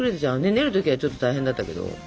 練る時はちょっと大変だったけど。